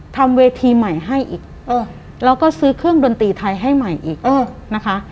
ทำเวทีใหม่ให้อีกแล้วก็ซื้อเครื่องดนตรีไทยให้ใหม่อีกนะคะ